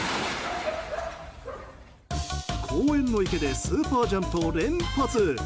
公園の池でスーパージャンプを連発。